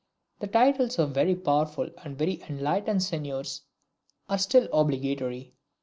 The titles of "very powerful and very enlightened seigniors" are still obligatory.